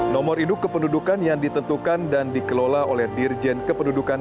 nomor induk kependudukan yang ditentukan dan dikelola oleh dirjen kependudukan